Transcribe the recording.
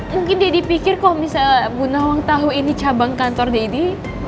mungkin deddy pikir kalau misalnya bu nawang tau ini cabang kantor deddy